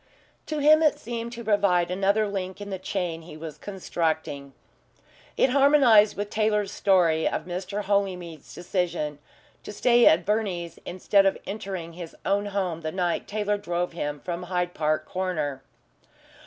To him it seemed to provide another link in the chain he was constructing. It harmonised with Taylor's story of Mr. Holymead's decision to stay at Verney's instead of entering his own home the night Taylor drove him from Hyde Park Corner.